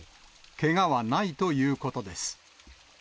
けがはないということです。